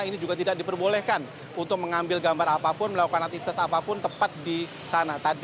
ini juga tidak diperbolehkan untuk mengambil gambar apapun melakukan aktivitas apapun tepat di sana